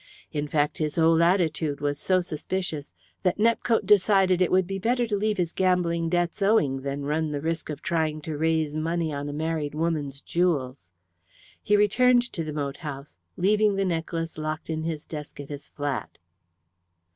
In fact, his whole attitude was so suspicious that Nepcote decided it would be better to leave his gambling debts owing than run the risk of trying to raise money on a married woman's jewels. He returned to the moat house, leaving the necklace locked in his desk at his flat.